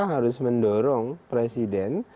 harus mendorong presiden